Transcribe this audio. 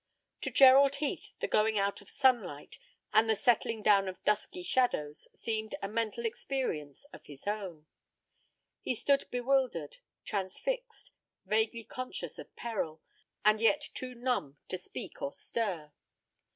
To Gerald Heath the going out of sunlight, and the settling down of dusky shadows seemed a mental experience of his own. He stood bewildered, transfixed, vaguely conscious of peril, and yet too numb to speak or stir.